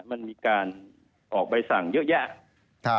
มันมีการออกใบสั่งเยอะแยะ